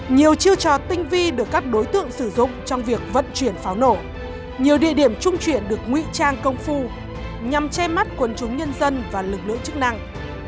nhiều chiêu trò tinh vi được các đối tượng sử dụng trong việc vận chuyển pháo nổ nhiều địa điểm trung chuyển được nguy trang công phu nhằm che mắt quần chúng nhân dân và lực lượng chức năng